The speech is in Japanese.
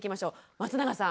松永さん